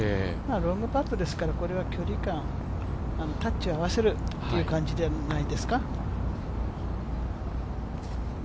ロングパットですからこれは距離感タッチを合わせるという感じではないですか。